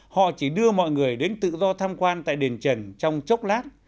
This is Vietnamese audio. họ chỉ đưa mọi người đến tự do tham quan tại đền trần trong chốc lát